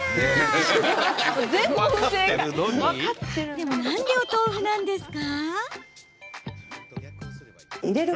でも、なんでお豆腐なんですか？